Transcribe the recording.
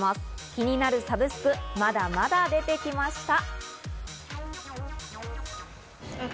気になるサブスク、まだまだ出てきました。